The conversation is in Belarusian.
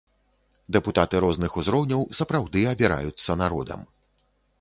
Дэпутаты розных узроўняў сапраўды абіраюцца народам.